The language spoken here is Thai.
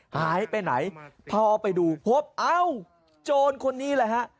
หายไปไหนพอไปดูพบเอ้าโจรคนนี้แหละฮะ